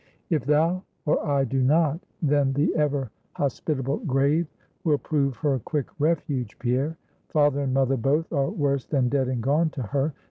"If thou or I do not, then the ever hospitable grave will prove her quick refuge, Pierre. Father and mother both, are worse than dead and gone to her.